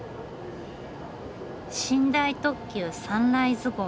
寝台特急サンライズ号。